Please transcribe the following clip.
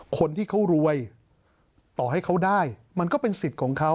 คนที่เขารวยต่อให้เขาได้มันก็เป็นสิทธิ์ของเขา